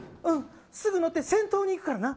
すぐ乗って、先頭に行くからな。